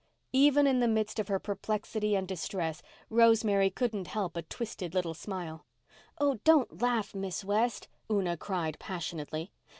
Even in the midst of her perplexity and distress Rosemary couldn't help a twisted, little smile. "Oh, don't laugh, Miss West," Una cried passionately.